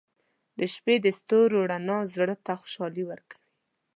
• د شپې د ستورو رڼا زړه ته خوشحالي ورکوي.